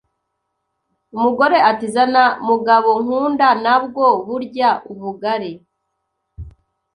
Umugore ati zana mugabo nkunda nabwo burya ubugari